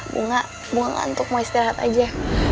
bunga bunga untuk mau istirahat aja